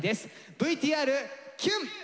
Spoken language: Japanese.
ＶＴＲキュン！